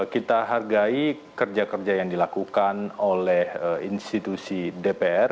kita hargai kerja kerja yang dilakukan oleh institusi dpr